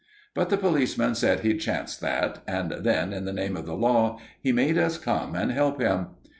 But the policeman said he'd chance that, and then, in the name of the law, he made us come and help him.